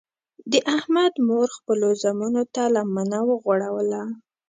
د احمد مور خپلو زمنو ته لمنه وغوړوله.